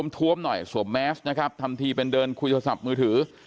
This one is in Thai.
ท้วมหน่อยสวมแมสนะครับทำทีเป็นเดินคุยโทรศัพท์มือถือ